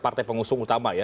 partai pengusung utama ya